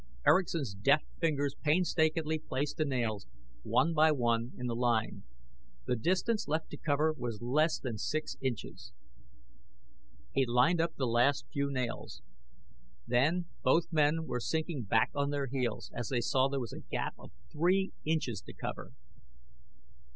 Erickson's deft fingers painstakingly placed the nails, one by one, in the line. The distance left to cover was less than six inches! He lined up the last few nails. Then both men were sinking back on their heels, as they saw there was a gap of three inches to cover!